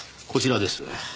こちらです。